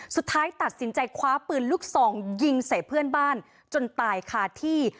สุดท้ายตัดสินใจคว้าปืนลูกซองยิงใส่เพื่อนบ้านจนตายคาที่